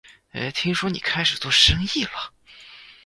听说你开始做生意了